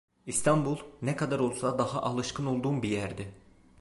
İstanbul ne kadar olsa daha alışkın olduğum bir yerdi.